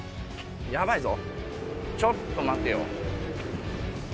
ヤバいぞちょっと待てよ。